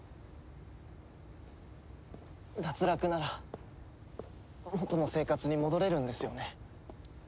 脱落なら元の生活に戻れるんですよね？